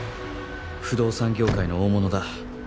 不動産業界の大物だ。